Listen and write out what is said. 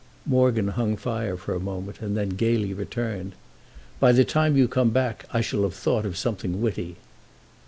Morgan hung fire a moment and then gaily returned: "By the time you come back I shall have thought of something witty!"